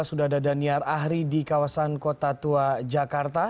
sudah ada daniar ahri di kawasan kota tua jakarta